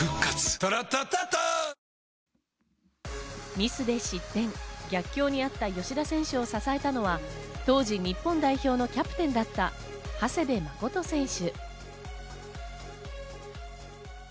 ミスで失点、逆境にあった吉田選手を支えたのは、当時、日本代表のキャプテンだった長谷部誠選手。